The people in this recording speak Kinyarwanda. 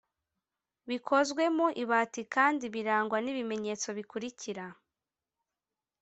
bikozwe mu ibati kandi birangwa n’ibimenyetso bikurikira